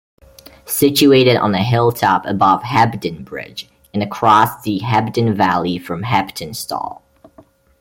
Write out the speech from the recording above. Situated on a hilltop above Hebden Bridge and across the Hebden valley from Heptonstall.